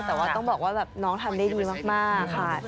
แต่ว่าต้องบอกว่าน้องทำได้ดีมากค่ะ